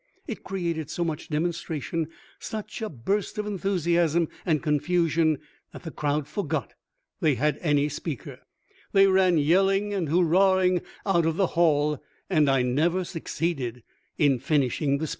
It created so much demonstration, such a burst of enthusiasm and con fusion, that the crowd forgot they had any speaker; they ran yelling and hurrahing out of the hall, and I never succeeded in finishing the speech.